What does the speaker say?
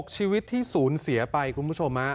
ชีวิตที่สูญเสียไปคุณผู้ชม